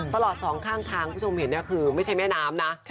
สองข้างทางคุณผู้ชมเห็นคือไม่ใช่แม่น้ำนะ